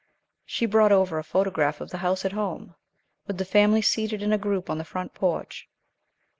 She brought over a photograph of the house at home, with the family seated in a group on the front porch.